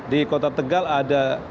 di kota tegal ada